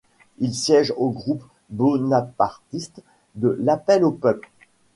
Il siège au groupe bonapartiste de l'Appel au peuple.